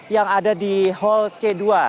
yang ada di hall c dua